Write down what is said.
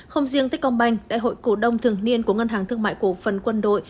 không riêng tết công banh đại hội cổ đông thường niên của ngân hàng thương mại cổ phần quân đội